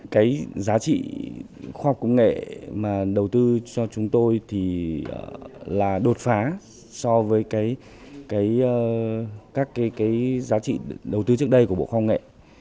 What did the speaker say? cái giá trị khoa công nghệ mà đầu tư cho chúng tôi là đột phá so với các giá trị đầu tư trước đây của bộ khoa công nghệ